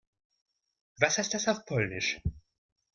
Was heißt das auf Polnisch?